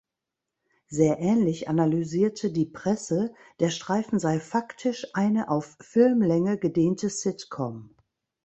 Sehr ähnlich analysierte "Die Presse", der Streifen sei faktisch eine auf Filmlänge gedehnte Sitcom.